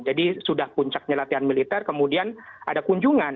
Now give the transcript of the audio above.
jadi sudah puncaknya latihan militer kemudian ada kunjungan